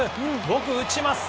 僕打ちます！